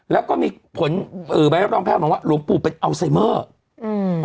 แล้วก็มีผลเอ่อใบรับรองแพทย์มาว่าหลวงปู่เป็นอัลไซเมอร์อืม